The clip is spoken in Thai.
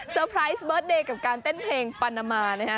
เซอร์พลิ้สเบิร์ตเดย์กับการเต้นเพลงปานามานะคะ